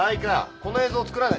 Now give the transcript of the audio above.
この映像作らない。